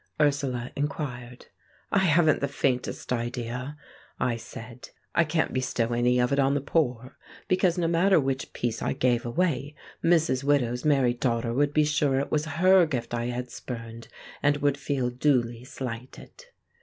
Ursula inquired. "I haven't the faintest idea!" I said. "I can't bestow any of it on the poor because, no matter which piece I gave away, Mrs. Widow's married daughter would be sure it was her gift I had spurned, and would feel duly slighted."